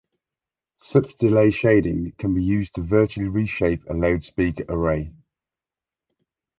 Such delay shading can be used to virtually reshape a loudspeaker array.